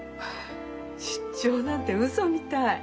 出張なんてうそみたい。